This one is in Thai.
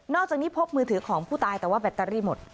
อกจากนี้พบมือถือของผู้ตายแต่ว่าแบตเตอรี่หมด